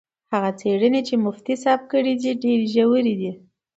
هغه څېړنې چې مفتي صاحب کړي ډېرې ژورې دي.